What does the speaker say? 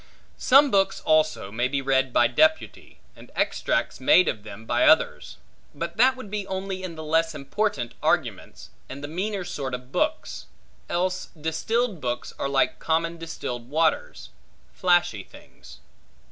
Some books also may be read by deputy, and extracts made of them by others; but that would be only in the less important arguments, and the meaner sort of books, else distilled books are like common distilled waters, flashy things.